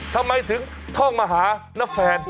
ทำไมถึงท่องมาหาณแฟน